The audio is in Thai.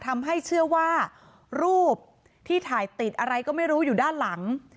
ทำให้เชื่อว่ารูปที่ถ่ายติดอะไรก็ไม่รู้อยู่ด้านหลัง